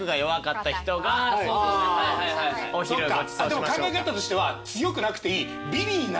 でも考え方としては強くなくていい。